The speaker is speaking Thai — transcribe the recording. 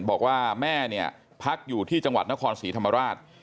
บอกว่าแม่เนี่ยพักอยู่ที่จังหวัดนครศรีธรรมราช